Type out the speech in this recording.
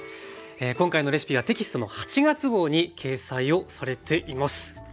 今回のレシピはテキストの８月号に掲載をされています。